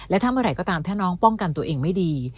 และทำอะไรก็ตามถ้าน้องป้องกันตัวเองไม่ดี